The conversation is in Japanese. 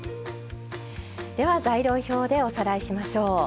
材料表でおさらいしましょう。